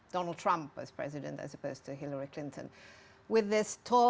dan kita akan menahan proyek eu dalam eksperimen bersama